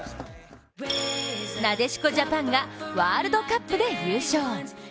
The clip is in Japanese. なでしこジャパンがワールドカップで優勝。